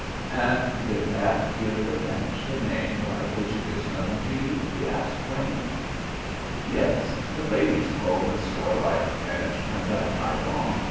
"And did that give the ranch the name by which it is known to you?" we asked Wayne. "Yes. The ladies called it 'Starlight Ranch' from that night on.